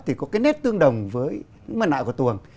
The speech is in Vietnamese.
thì có cái nét tương đồng với mặt nại của tuồng